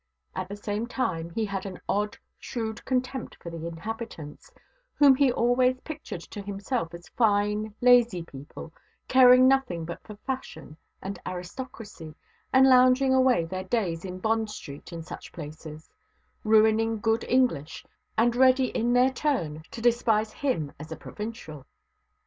At the same time, he had an odd, shrewd contempt for the inhabitants, whom he always pictured to himself as fine, lazy people, caring nothing but for fashion and aristocracy, and lounging away their days in Bond Street, and such places; ruining good English, and ready in their turn to despise him as a provincial.